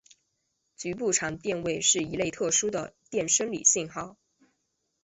局部场电位是一类特殊的电生理信号。